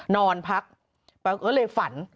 นอนพักแบบเลฝน